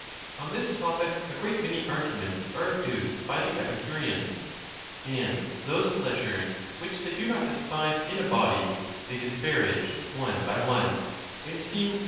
On this topic a great many arguments are adduced by the Epicureans; and those pleasures which they do not de spise in a body, they disparage one by one, and seem rath 198 THE TUSCULAN DISPUTATIONS.